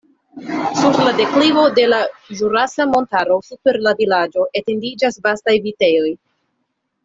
Sur la deklivo de la Ĵurasa Montaro super la vilaĝo etendiĝas vastaj vitejoj.